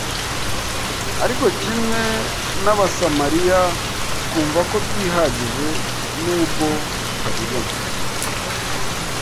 ariko, kimwe n’Abasamariya, twumva ko twihagije n’ubwo tutabibona